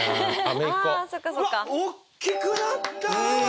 うわっおっきくなった！